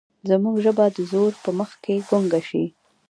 زموږ ژبه د زور په مخ کې ګونګه شي.